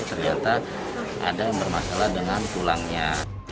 ternyata ada yang bermasalah dengan tulangnya